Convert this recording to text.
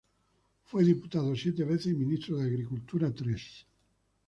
Fue diputado siete veces y Ministro de Agricultura tres veces.